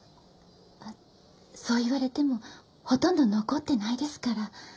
あっそう言われてもほとんど残ってないですから。